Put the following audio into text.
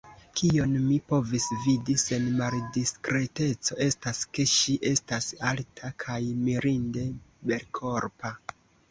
Kion mi povis vidi sen maldiskreteco, estas, ke ŝi estas alta kaj mirinde belkorpa.